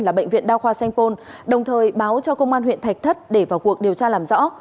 là bệnh viện đa khoa sanh pôn đồng thời báo cho công an huyện thạch thất để vào cuộc điều tra làm rõ